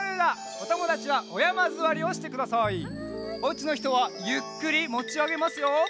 おうちのひとはゆっくりもちあげますよ。